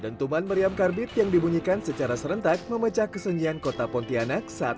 dentuman meriam karbit yang dibunyikan secara serentak memecah kesenian kota pontianak saat